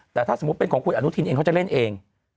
แต่ถ้าสมมุติเป็นของคุณอนุทินเองเขาจะเล่นเอง